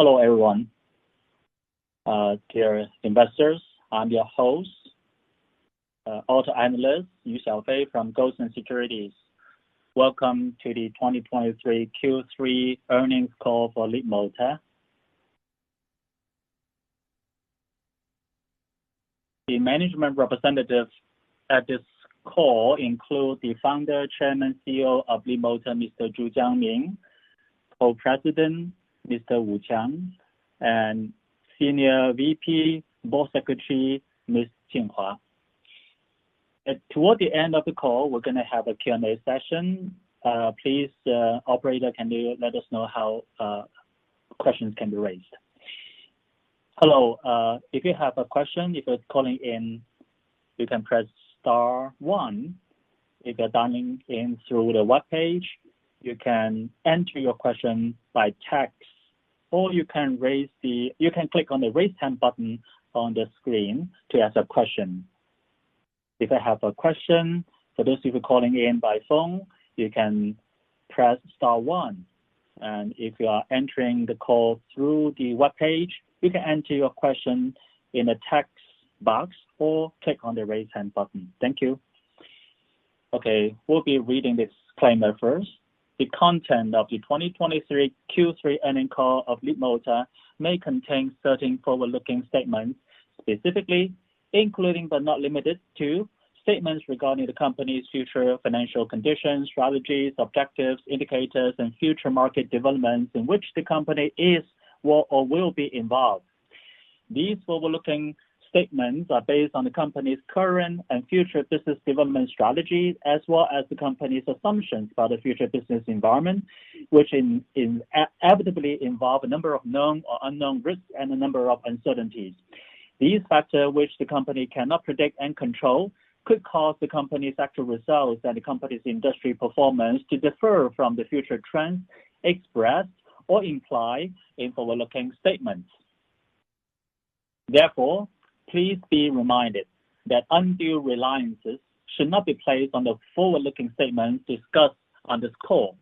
Hello, everyone. Dear investors, I'm your host, auto analyst Yu Xiaofei from Goldman Sachs (Asia) L.L.C. Welcome to the 2023 Q3 earnings call for Leapmotor. The management representatives at this call include the founder, chairman, CEO of Leapmotor, Mr. Zhu Jiangming, Co-President, Mr. Wu Qiang, and Senior VP, Board Secretary, Ms. Jing Hua. Toward the end of the call, we're going to have a Q&A session. Please, operator, can you let us know how questions can be raised? Hello. If you have a question, if you're calling in, you can press star one. If you're dialing in through the webpage, you can enter your question by text, or you can click on the raise hand button on the screen to ask a question. If you have a question, for those of you calling in by phone, you can press star one, and if you are entering the call through the webpage, you can enter your question in the text box or click on the raise hand button. Thank you. We'll be reading disclaimer first. The content of the 2023 Q3 earnings call of Leapmotor may contain certain forward-looking statements, specifically, including, but not limited to, statements regarding the company's future financial conditions, strategies, objectives, indicators, and future market developments in which the company is, or will be involved. These forward-looking statements are based on the company's current and future business development strategies, as well as the company's assumptions about the future business environment, which inevitably involve a number of known or unknown risks and a number of uncertainties. These factors, which the company cannot predict and control, could cause the company's actual results and the company's industry performance to differ from the future trends expressed or implied in forward-looking statements. Please be reminded that undue reliance should not be placed on the forward-looking statements discussed on this call.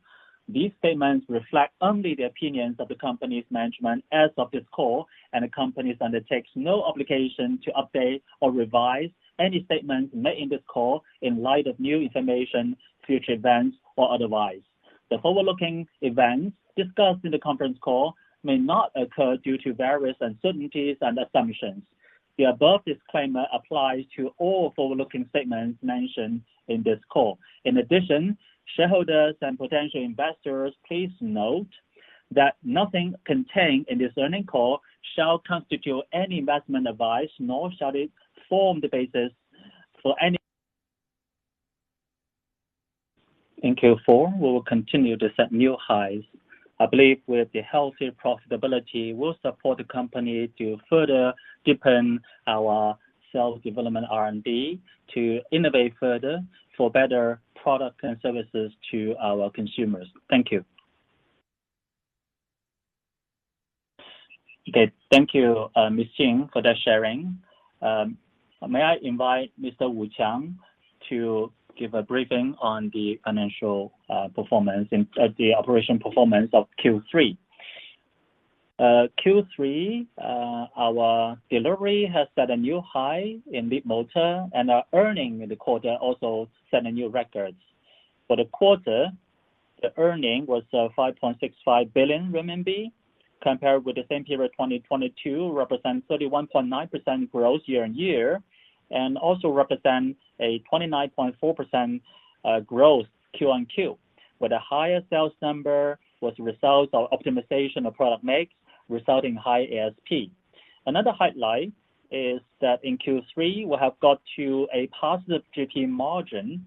These statements reflect only the opinions of the company's management as of this call, the company undertakes no obligation to update or revise any statements made in this call in light of new information, future events, or otherwise. The forward-looking events discussed in the conference call may not occur due to various uncertainties and assumptions. The above disclaimer applies to all forward-looking statements mentioned in this call. Shareholders and potential investors, please note that nothing contained in this earnings call shall constitute any investment advice, nor shall it form the basis for any. In Q4, we will continue to set new highs. I believe with the healthy profitability, we'll support the company to further deepen our self-development R&D to innovate further for better products and services to our consumers. Thank you. Thank you, Ms. Jing, for the sharing. May I invite Mr. Wu Qiang to give a briefing on the financial performance and the operation performance of Q3. Q3, our delivery has set a new high in Leapmotor, our earning in the quarter also set new records. For the quarter, the earning was 5.65 billion RMB, compared with the same period 2022, represents 31.9% growth year-on-year, also represents a 29.4% growth Q on Q, where the higher sales number was a result of optimization of product mix, resulting high ASP. Another highlight is that in Q3, we have got to a positive GP margin.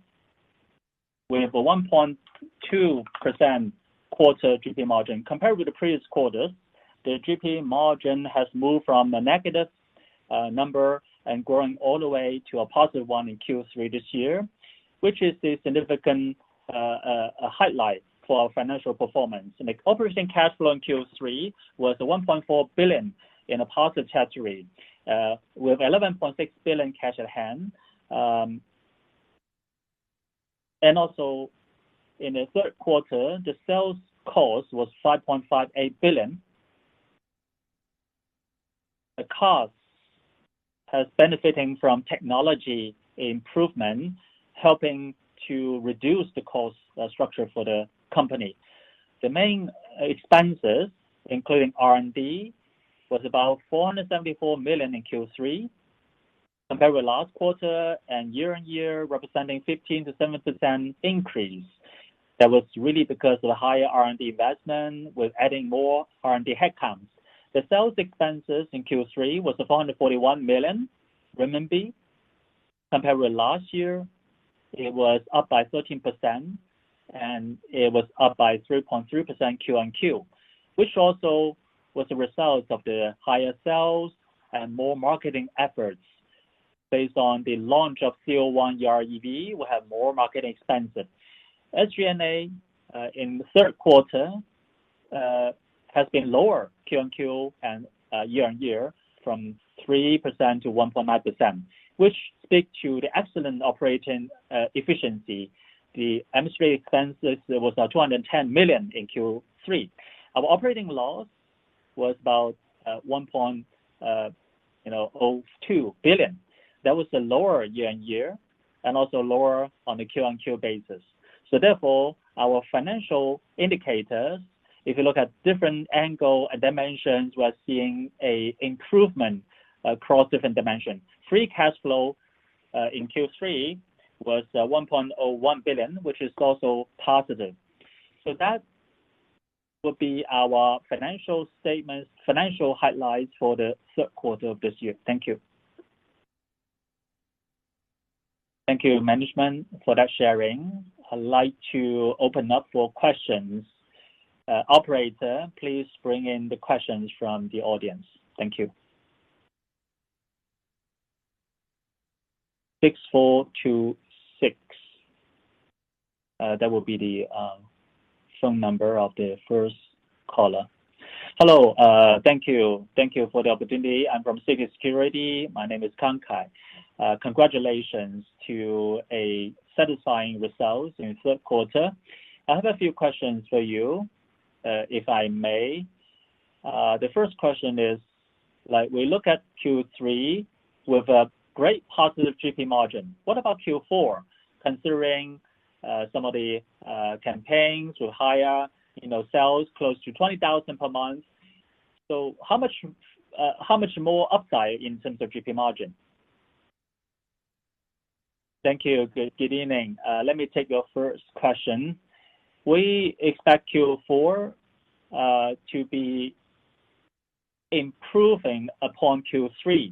We have a 1.2% quarter GP margin. Compared with the previous quarter, the GP margin has moved from a negative number and grown all the way to a positive one in Q3 this year, which is a significant highlight for our financial performance. Operating cash flow in Q3 was 1.4 billion in a positive territory, with 11.6 billion cash at hand. Also, in the third quarter, the sales cost was 5.58 billion. The cost has benefited from technology improvement, helping to reduce the cost structure for the company. The main expenses, including R&D, was about 474 million in Q3. Compared with last quarter and year-on-year, representing 15% to 7% increase. That was really because of the higher R&D investment with adding more R&D headcounts. The sales expenses in Q3 was 441 million RMB. Compared with last year, it was up by 13%, and it was up by 3.3% Q on Q, which also was a result of the higher sales and more marketing efforts. Based on the launch of C01 EREV, we have more marketing expenses. SG&A in the third quarter has been lower Q on Q and year-on-year from 3% to 1.9%, which speaks to the excellent operating efficiency. The administrative expenses was 210 million in Q3. Our operating loss was about 1.02 billion. That was lower year-on-year, and also lower on the Q on Q basis. Therefore, our financial indicators, if you look at different angle and dimensions, we are seeing an improvement across different dimensions. Free cash flow in Q3 was 1.01 billion, which is also positive. That will be our financial highlights for the third quarter of this year. Thank you. Thank you, management, for that sharing. I'd like to open up for questions. Operator, please bring in the questions from the audience. Thank you. 6426. That will be the phone number of the first caller. Hello. Thank you for the opportunity. I'm from CICC Securities. My name is Kankai. Congratulations to a satisfying results in the third quarter. I have a few questions for you, if I may. The first question is, we look at Q3 with a great positive GP margin. What about Q4, considering some of the campaigns to higher sales, close to 20,000 per month? How much more upside in terms of GP margin? Thank you. Good evening. Let me take your first question. We expect Q4 to be improving upon Q3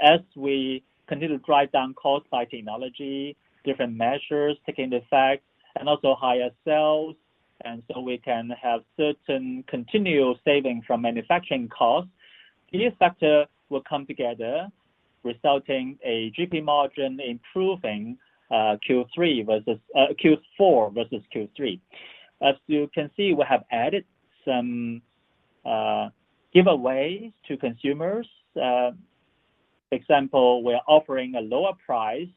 as we continue to drive down cost by technology, different measures taking effect, and also higher sales. We can have certain continual saving from manufacturing costs. These factors will come together, resulting a GP margin improving Q4 versus Q3. As you can see, we have added some giveaways to consumers. For example, we are offering a lower price,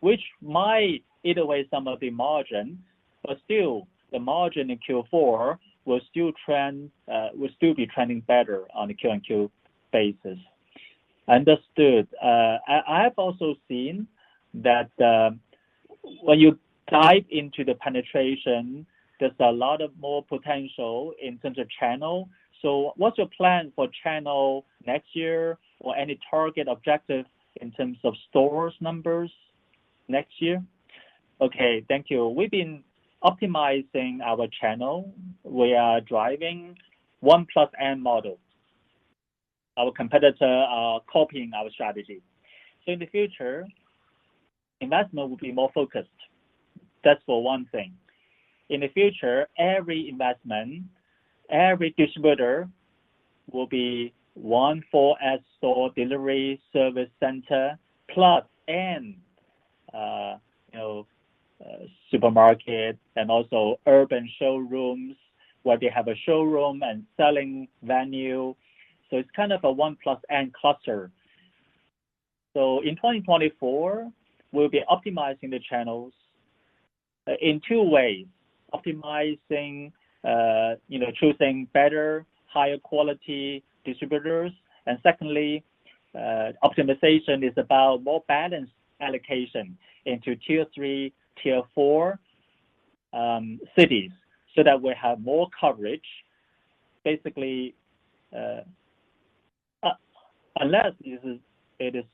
which might eat away some of the margin, but still, the margin in Q4 will still be trending better on a Q on Q basis. Understood. I have also seen that when you dive into the penetration, there's a lot of more potential in terms of channel. What's your plan for channel next year, or any target objective in terms of stores numbers next year? Okay, thank you. We've been optimizing our channel. We are driving one plus N model. Our competitor are copying our strategy. In the future, investment will be more focused. That's for one thing. In the future, every investment, every distributor will be one 4S store delivery service center, plus N supermarkets and also urban showrooms where they have a showroom and selling venue. It's kind of a one plus N cluster. In 2024, we'll be optimizing the channels in two ways, optimizing, choosing better, higher quality distributors, and secondly, optimization is about more balanced allocation into tier 3, tier 4 cities so that we have more coverage. Basically, unless it is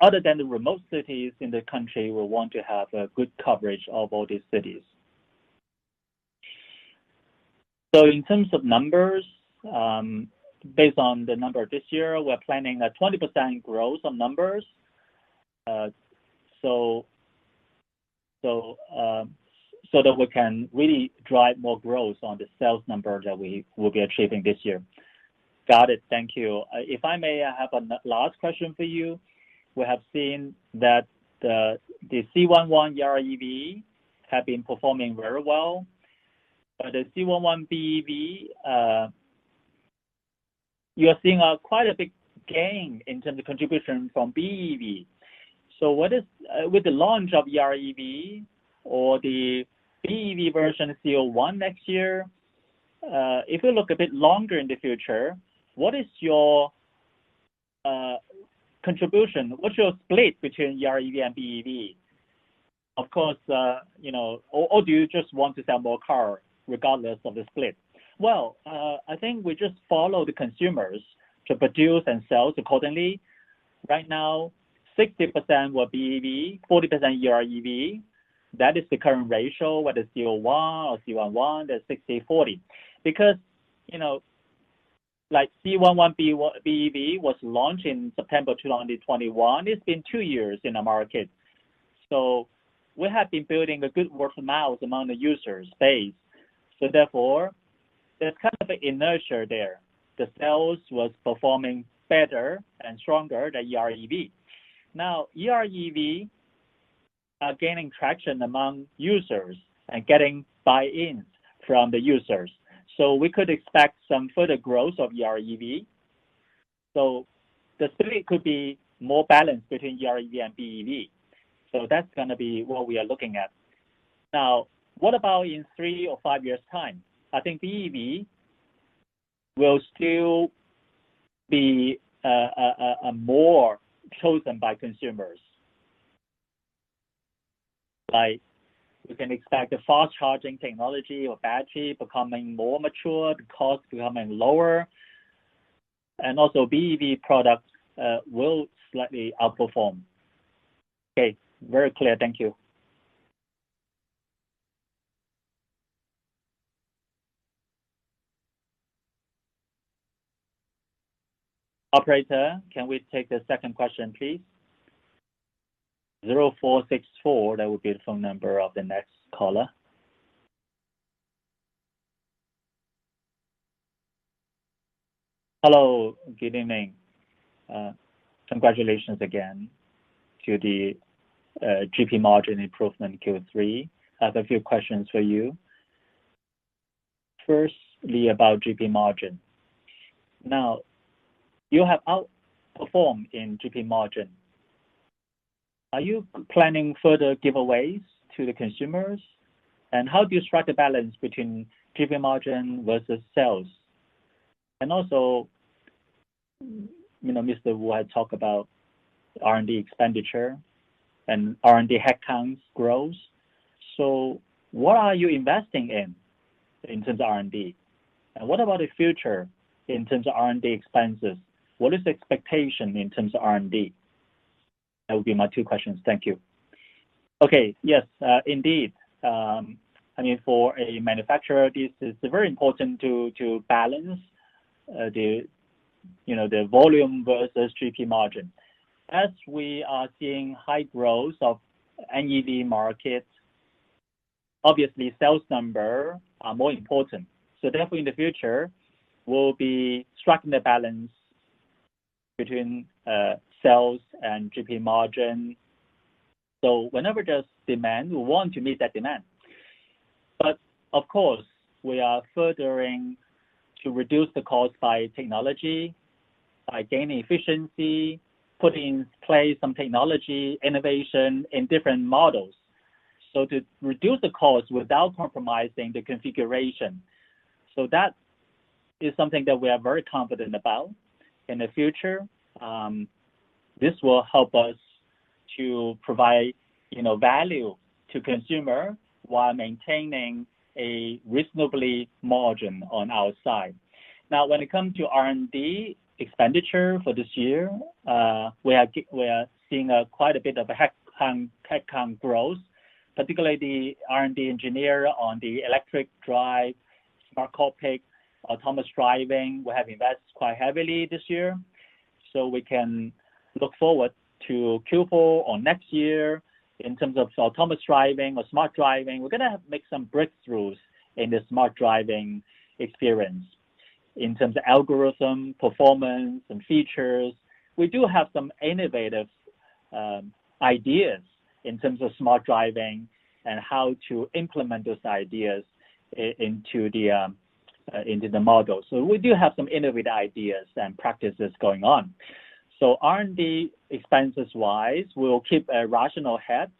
other than the remote cities in the country, we want to have a good coverage of all these cities. In terms of numbers, based on the number this year, we're planning a 20% growth on numbers, so that we can really drive more growth on the sales numbers that we will be achieving this year. Got it. Thank you. If I may, I have a last question for you. We have seen that the C11 EREV have been performing very well. The C11 BEV, you are seeing quite a big gain in terms of contribution from BEV. With the launch of EREV or the BEV version C01 next year, if you look a bit longer in the future, what is your contribution? What's your split between EREV and BEV? Do you just want to sell more car regardless of the split? I think we just follow the consumers to produce and sell accordingly. Right now, 60% were BEV, 40% EREV. That is the current ratio, whether C01 or C11, that's 60/40. Because C11 BEV was launched in September 2021. It's been two years in the market. We have been building a good word of mouth among the users base. Therefore, there's kind of an inertia there. The sales was performing better and stronger than EREV. Now, EREV are gaining traction among users and getting buy-ins from the users. We could expect some further growth of EREV. The split could be more balanced between EREV and BEV. That's going to be what we are looking at. Now, what about in three or five years' time? I think BEV will still be more chosen by consumers. We can expect the fast charging technology or battery becoming more mature, the cost becoming lower. Also, BEV products will slightly outperform. Okay. Very clear. Thank you. Operator, can we take the second question, please? 0464, that would be the phone number of the next caller. Hello, good evening. Congratulations again to the GP margin improvement Q3. I have a few questions for you. Firstly, about GP margin. Now, you have outperformed in GP margin. Are you planning further giveaways to the consumers? How do you strike a balance between GP margin versus sales? Also, Mr. Wu had talked about R&D expenditure and R&D headcount growth. What are you investing in terms of R&D? And what about the future in terms of R&D expenses? What is the expectation in terms of R&D? That would be my two questions. Thank you. Okay. Yes, indeed. For a manufacturer, this is very important to balance the volume versus GP margin. As we are seeing high growth of NEV markets, obviously sales numbers are more important. Therefore, in the future, we'll be striking the balance between sales and GP margin. Whenever there's demand, we want to meet that demand. Of course, we are furthering to reduce the cost by technology, by gaining efficiency, putting in place some technology innovation in different models. To reduce the cost without compromising the configuration. That is something that we are very confident about. In the future, this will help us to provide value to consumer while maintaining a reasonable margin on our side. Now, when it comes to R&D expenditure for this year, we are seeing quite a bit of headcount growth, particularly the R&D engineer on the electric drive, smart cockpit, autonomous driving. We have invested quite heavily this year. We can look forward to Q4 or next year in terms of autonomous driving or smart driving. We're going to make some breakthroughs in the smart driving experience. In terms of algorithm, performance, and features, we do have some innovative ideas in terms of smart driving and how to implement those ideas into the model. We do have some innovative ideas and practices going on. R&D expenses-wise, we'll keep a rational head.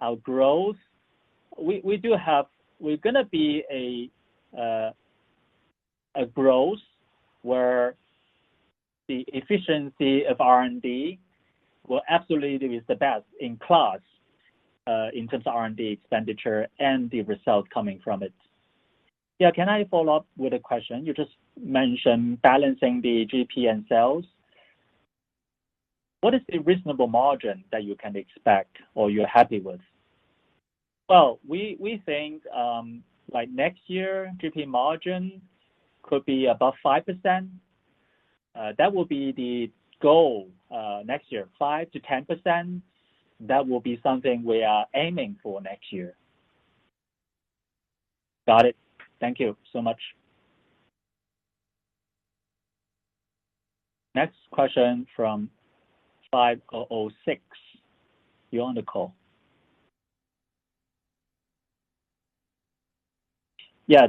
Our growth, we're going to be a growth where the efficiency of R&D will absolutely be the best in class, in terms of R&D expenditure and the result coming from it. Yeah. Can I follow up with a question? You just mentioned balancing the GP and sales. What is a reasonable margin that you can expect or you're happy with? We think by next year, GP margin could be above 5%. That will be the goal, next year, 5%-10%. That will be something we are aiming for next year. Got it. Thank you so much. Next question from 5006. You're on the call.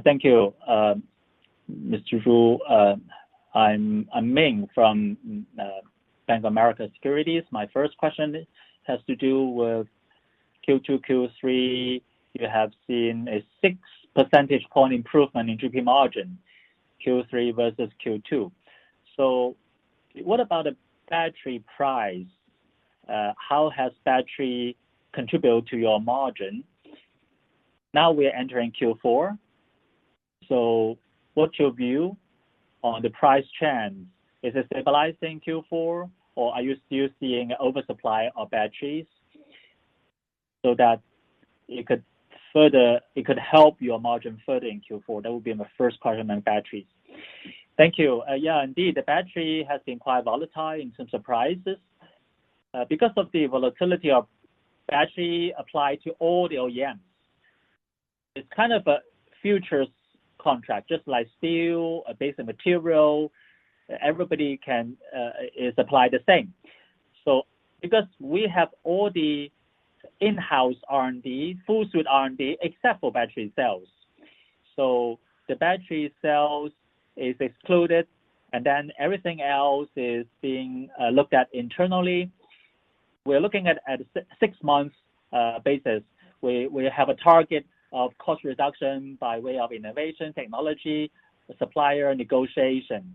Thank you, Mr. Wu. I'm Ming from Bank of America Securities. My first question has to do with Q2, Q3. You have seen a six percentage point improvement in GP margin, Q3 versus Q2. What about the battery price? How has battery contributed to your margin? Now we're entering Q4, what's your view on the price trend? Is it stabilizing Q4, or are you still seeing oversupply of batteries? That it could help your margin further in Q4. That would be my first question on batteries. Indeed. The battery has been quite volatile in terms of prices. Because of the volatility of battery applied to all the OEMs. It's kind of a futures contract, just like steel, a base material. Everybody can supply the same. Because we have all the in-house R&D, full suit R&D. The battery cells is excluded, and then everything else is being looked at internally. We're looking at a six months basis. We have a target of cost reduction by way of innovation, technology, supplier negotiation.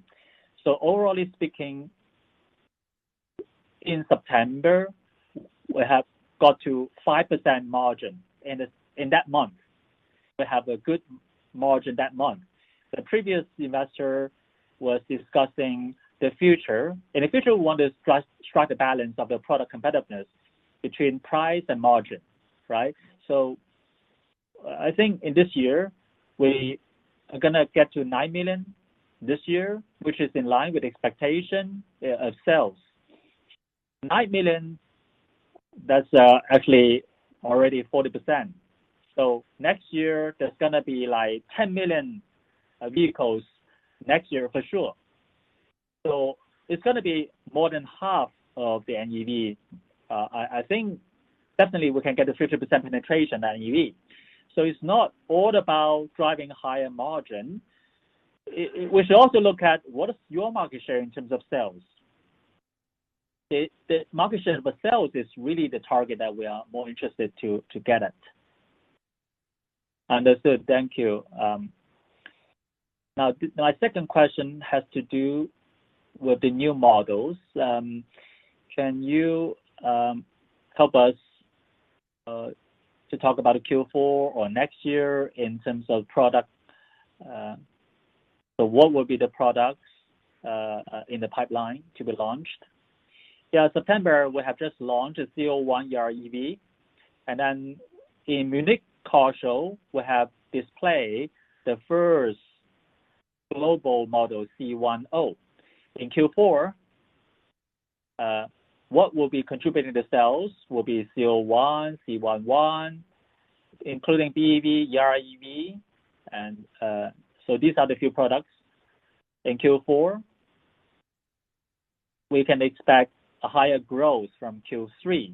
Overall speaking, in September, we have got to 5% margin in that month. We have a good margin that month. The previous investor was discussing the future. In the future, we want to strike a balance of the product competitiveness between price and margin, right? I think in this year, we are going to get to 9 million this year, which is in line with expectation of sales. 9 million, that's actually already 40%. Next year, there's going to be 10 million vehicles next year for sure. It's going to be more than half of the NEV. I think definitely we can get a 50% penetration NEV. It's not all about driving higher margin. We should also look at what is your market share in terms of sales. The market share of sales is really the target that we are more interested to get at. Understood. Thank you. My second question has to do with the new models. Can you help us to talk about Q4 or next year in terms of product? What will be the products in the pipeline to be launched? September, we have just launched C01 EREV, and then in Munich car show, we have displayed the first global model, C10. In Q4, what will be contributing to sales will be C01, C11, including BEV, EREV. These are the few products in Q4. We can expect a higher growth from Q3,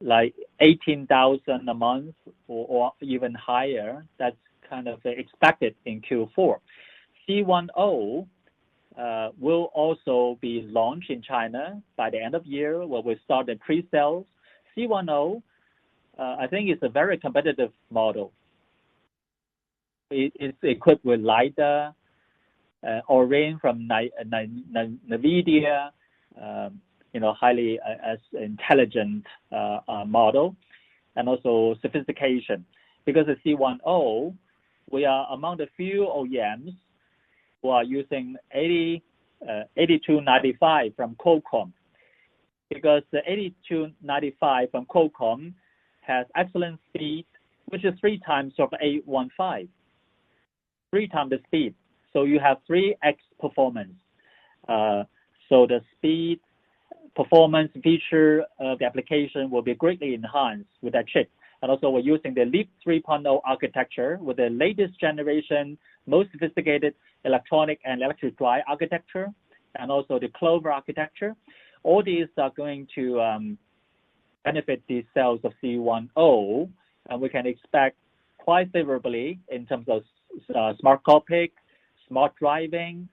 like 18,000 a month or even higher. That's the expected in Q4. C10 will also be launched in China by the end of the year, where we start the pre-sales. C10, I think it's a very competitive model. It is equipped with lidar, Orin from NVIDIA, highly intelligent model, and also sophistication. Because the C10, we are among the few OEMs who are using 8295 from Qualcomm. Because the 8295 from Qualcomm has excellent speed, which is three times of 8155, three times the speed. You have 3X performance. The speed, performance, feature of the application will be greatly enhanced with that chip. And also, we're using the LEAP 3.0 architecture with the latest generation, most sophisticated electronic and electric drive architecture, and also the Clover architecture. All these are going to benefit the sales of C10, and we can expect quite favorably in terms of smart cockpit, smart driving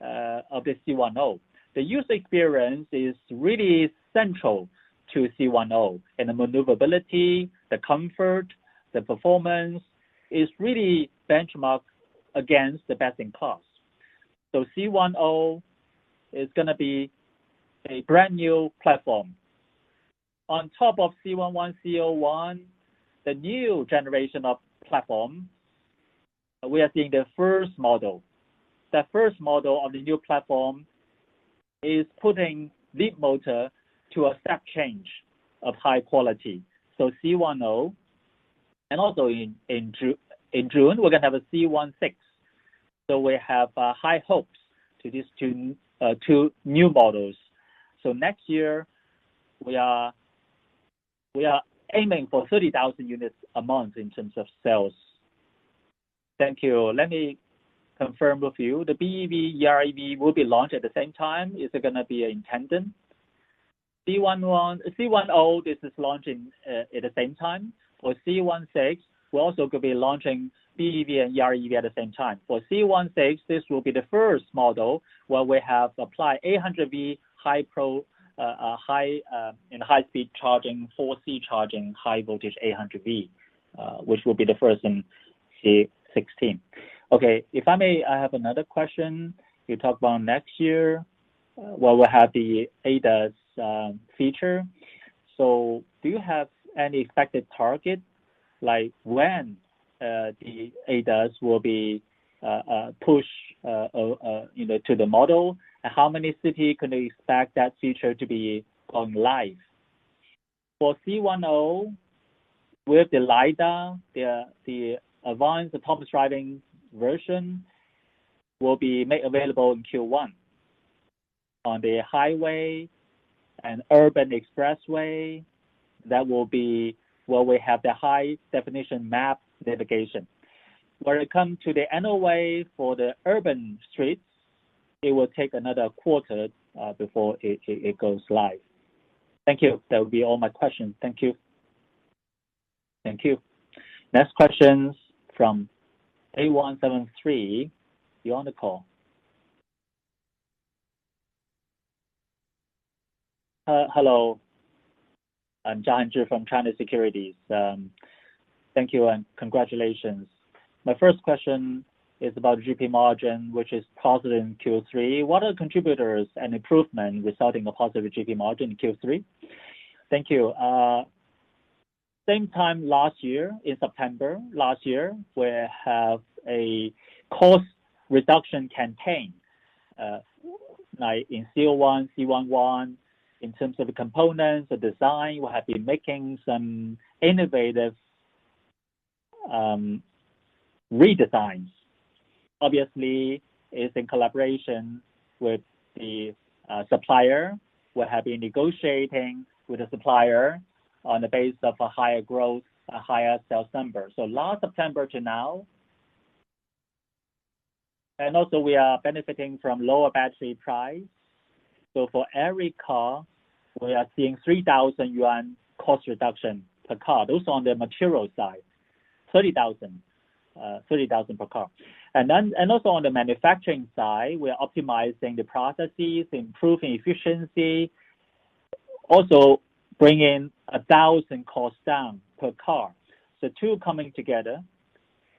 of the C10. The user experience is really central to C10, and the maneuverability, the comfort, the performance is really benchmarked against the best in class. C10 is going to be a brand new platform. On top of C11, C01, the new generation of platform, we are seeing the first model. The first model of the new platform is putting Leapmotor to a step change of high quality. C10, and also in June, we're going to have a C16. We have high hopes to these two new models. Next year, we are aiming for 30,000 units a month in terms of sales. Thank you. Let me confirm with you. The BEV, EREV will be launched at the same time. Is it going to be in tandem? C10, this is launching at the same time. For C16, we're also going to be launching BEV and EREV at the same time. For C16, this will be the first model where we have applied 800 V high-speed charging, 4C charging, high voltage 800 V, which will be the first in C16. Okay. If I may, I have another question. You talked about next year, where we have the ADAS feature. Do you have any expected target, like when the ADAS will be pushed to the model? And how many city can we expect that feature to be on live? For C10, with the lidar, the advanced autonomous driving version will be made available in Q1. On the highway and urban expressway, that will be where we have the high-definition map navigation. When it comes to the NOA for the urban streets, it will take another quarter before it goes live. Thank you. That would be all my questions. Thank you. Thank you. Next question's from A173. You're on the call. Hello, I'm John Zhu from China Securities. Thank you, and congratulations. My first question is about GP margin, which is positive in Q3. What are contributors and improvement resulting the positive GP margin in Q3? Thank you. Same time last year, in September last year, we have a cost reduction campaign. Like in C01, C11, in terms of the components, the design, we have been making some innovative redesigns. Obviously, it's in collaboration with the supplier. Last September to now. We are benefiting from lower battery price. For every car, we are seeing 3,000 yuan cost reduction per car. Those are on the material side, 30,000 per car. On the manufacturing side, we are optimizing the processes, improving efficiency, also bringing 1,000 costs down per car. Two coming together,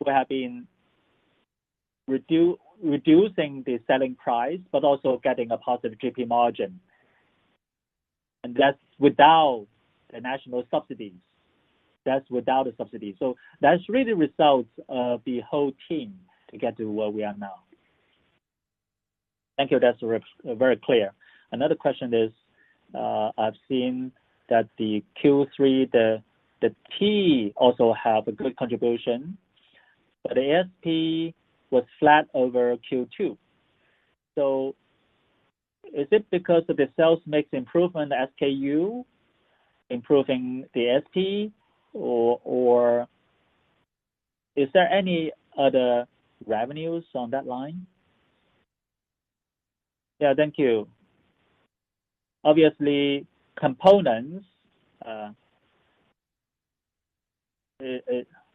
we have been reducing the selling price, but also getting a positive GP margin. That's without the national subsidies. That's without the subsidy. That's really results of the whole team to get to where we are now. Thank you. That's very clear. Another question is, I've seen that the Q3, the T03 also have a good contribution, but ASP was flat over Q2. Yeah. Thank you. Obviously, components,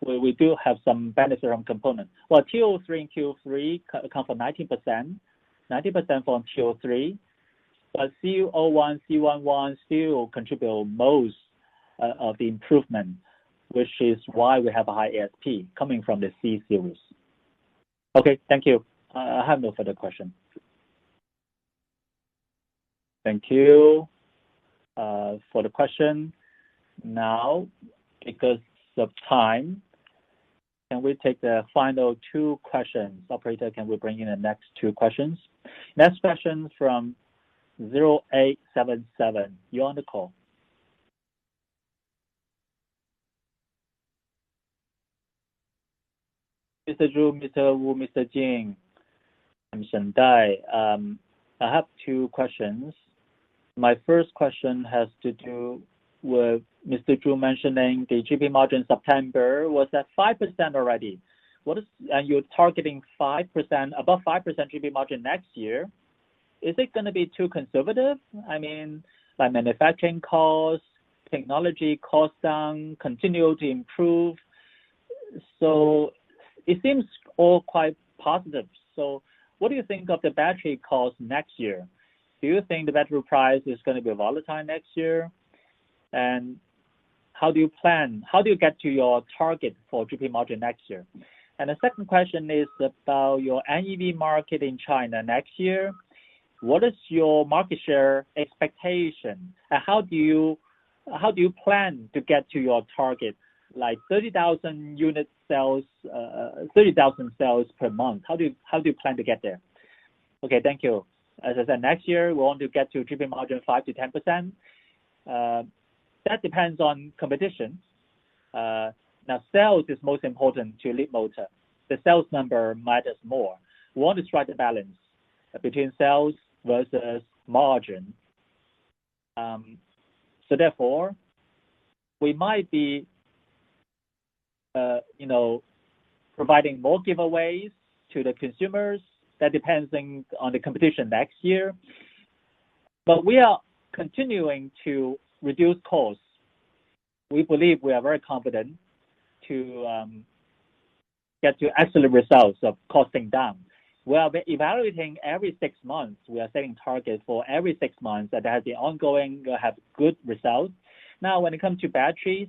we do have some benefit on components. Q03 and Q3 account for 90%, 90% from Q03. C01, C11 still contribute most of the improvement, which is why we have a high ASP coming from the C series. Okay, thank you. I have no further questions. Thank you for the question. Now, because of time, can we take the final two questions? Operator, can we bring in the next two questions? Next question from 0877. You're on the call. Mr. Zhu, Mr. Wu, Mr. Jing. I'm Shen Dai. I have two questions. My first question has to do with Mr. Zhu mentioning the GP margin September was at 5% already. You're targeting above 5% GP margin next year. Is it going to be too conservative? I mean, by manufacturing cost, technology cost down, continue to improve. It seems all quite positive. What do you think of the battery cost next year? Do you think the battery price is going to be volatile next year? How do you plan, how do you get to your target for GP margin next year? The second question is about your NEV market in China next year. What is your market share expectation? How do you plan to get to your target, like 30,000 sales per month? How do you plan to get there? Okay, thank you. As I said, next year, we want to get to GP margin 5%-10%. That depends on competition. Sales is most important to Leapmotor. The sales number matters more. We want to strike a balance between sales versus margin. Therefore, we might be providing more giveaways to the consumers. That depends on the competition next year. We are continuing to reduce costs. We believe we are very confident to get to excellent results of costing down. We have been evaluating every 6 months. We are setting targets for every 6 months that have good results. When it comes to batteries,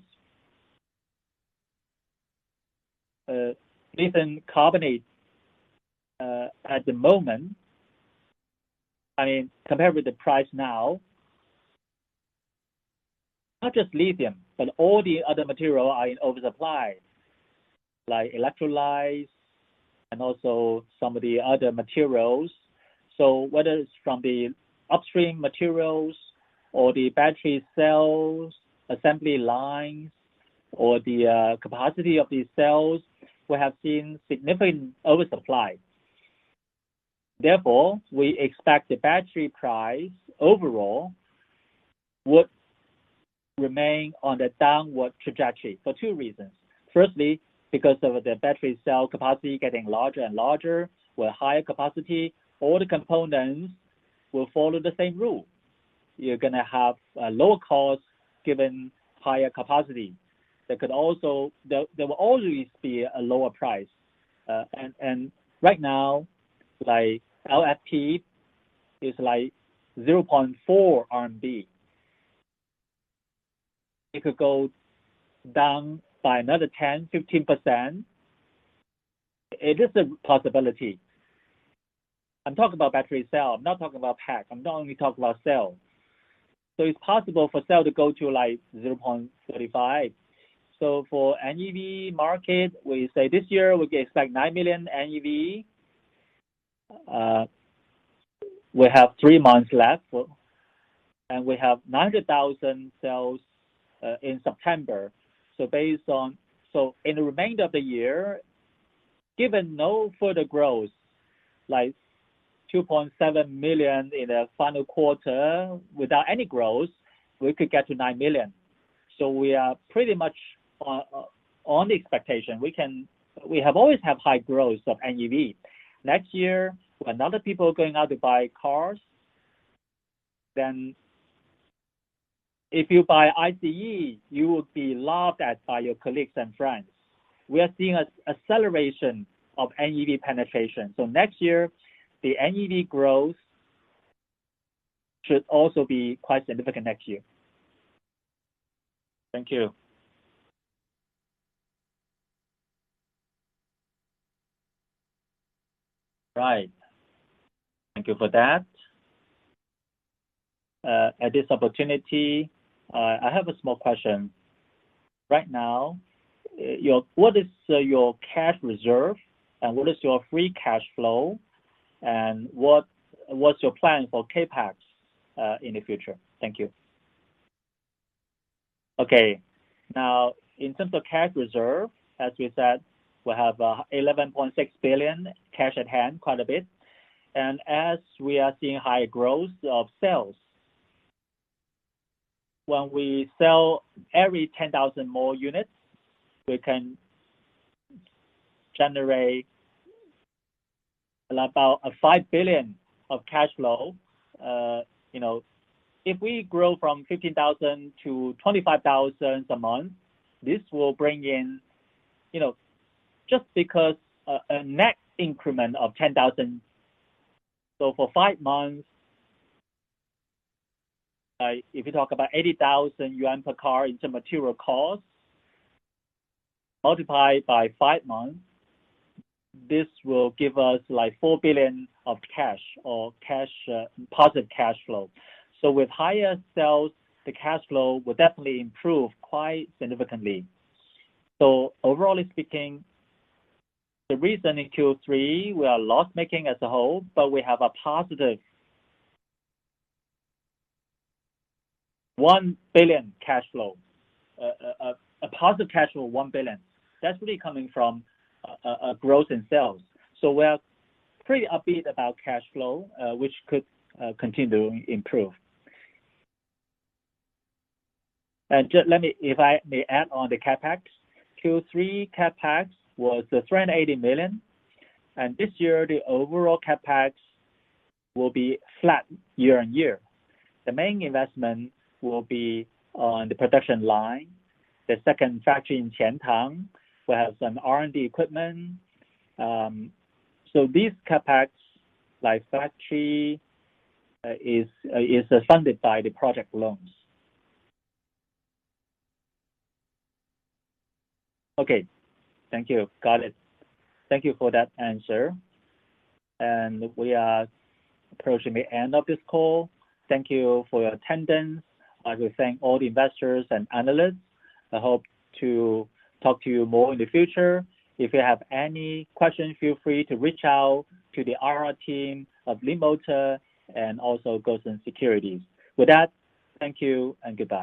lithium carbonate, at the moment, compared with the price now, not just lithium, but all the other material are in oversupply, like electrolytes and also some of the other materials. Whether it's from the upstream materials or the battery cells, assembly lines or the capacity of these cells, we have seen significant oversupply. Therefore, we expect the battery price overall would- Remain on the downward trajectory for two reasons. Firstly, because of the battery cell capacity getting larger and larger. With higher capacity, all the components will follow the same rule. You're going to have a lower cost given higher capacity. There will always be a lower price. Right now, LFP is 0.4 RMB. It could go down by another 10%-15%. It is a possibility. I'm talking about battery cell, I'm not talking about pack. I'm only talking about cell. It's possible for cell to go to 0.35. For NEV market, we say this year, we can expect 9 million NEV. We have three months left, and we have 900,000 cells in September. In the remainder of the year, given no further growth, 2.7 million in the final quarter without any growth, we could get to 9 million. We are pretty much on the expectation. We have always had high growth of NEV. Next year, when other people are going out to buy cars, if you buy ICE, you will be laughed at by your colleagues and friends. We are seeing an acceleration of NEV penetration. Next year, the NEV growth should also be quite significant next year. Thank you. Thank you for that. At this opportunity, I have a small question. Right now, what is your cash reserve and what is your free cash flow, and what's your plan for CapEx in the future? Thank you. In terms of cash reserve, as we said, we have 11.6 billion cash at hand, quite a bit. As we are seeing high growth of sales, when we sell every 10,000 more units, we can generate about 5 billion of cash flow. If we grow from 15,000 to 25,000 a month, this will bring in, just because a net increment of 10,000. For five months, if you talk about 80,000 yuan per car in terms of material cost, multiply by five months, this will give us 4 billion of cash or positive cash flow. With higher sales, the cash flow will definitely improve quite significantly. Overall speaking, the reason in Q3 we are loss-making as a whole, but we have a positive 1 billion cash flow. A positive cash flow of 1 billion. That's really coming from growth in sales. We are pretty upbeat about cash flow, which could continue to improve. If I may add on the CapEx, Q3 CapEx was 380 million, and this year, the overall CapEx will be flat year-on-year. The main investment will be on the production line, the second factory in Qiantang. We have some R&D equipment. These CapEx, like factory, is funded by the project loans. Okay. Thank you. Got it. Thank you for that answer. We are approaching the end of this call. Thank you for your attendance. I will thank all the investors and analysts. I hope to talk to you more in the future. If you have any questions, feel free to reach out to the IR team of Leapmotor and also Guosen Securities. With that, thank you and goodbye.